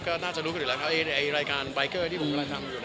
คือรายการใบเกอร์ที่ผมกำลังทำ